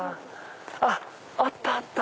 あっあったあった！